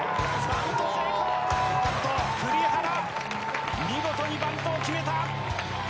栗原、見事にバントを決めた！